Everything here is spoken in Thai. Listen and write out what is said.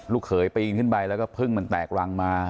เขยปีนขึ้นไปแล้วก็พึ่งมันแตกรังมา